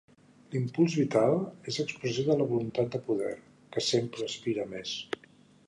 L'impuls vital és expressió de la voluntat de poder, que sempre aspira a més.